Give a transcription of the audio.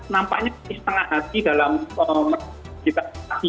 nampaknya setengah hati dalam kita